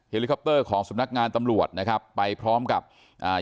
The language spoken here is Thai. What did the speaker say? ลิคอปเตอร์ของสำนักงานตำรวจนะครับไปพร้อมกับอ่า